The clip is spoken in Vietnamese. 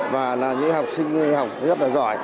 và là những học sinh học rất là giỏi